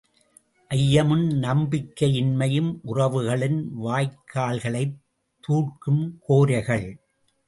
ஐயமும் நம்பிக்கையின்மையும் உறவுகளின் வாய்க்கால்களைத் தூர்க்கும் கோரைகள்!